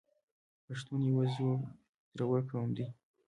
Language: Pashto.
پښتون یو زړور قوم دی.